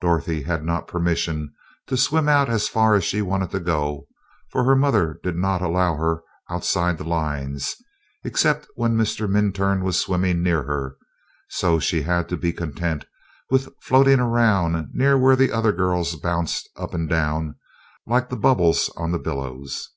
Dorothy had not permission to swim out as far as she wanted to go, for her mother did not allow her outside the lines, excepting when Mr. Minturn was swimming near her, so she had to be content with floating around near where the other girls bounced up and down, like the bubbles on the billows.